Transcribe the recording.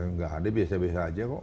nggak ada biasa biasa aja kok